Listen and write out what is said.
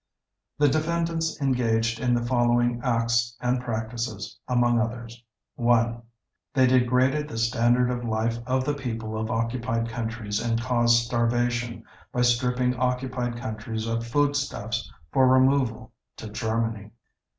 The defendants engaged in the following acts and practices, among others: 1. They degraded the standard of life of the people of occupied countries and caused starvation, by stripping occupied countries of foodstuffs for removal to Germany.